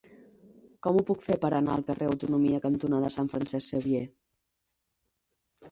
Com ho puc fer per anar al carrer Autonomia cantonada Sant Francesc Xavier?